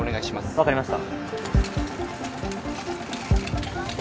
分かりました。